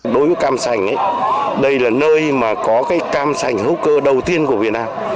đối với cam sành đây là nơi mà có cái cam sành hữu cơ đầu tiên của việt nam